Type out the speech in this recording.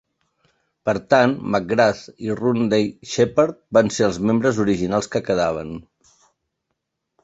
Per tant, McGrath i Rodney Sheppard van ser els membres originals que quedaven.